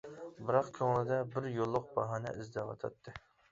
بىراق، كۆڭلىدە بىر يوللۇق باھانە ئىزدەۋاتاتتى.